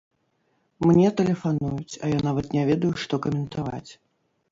Мне тэлефануюць, а я нават не ведаю, што каментаваць.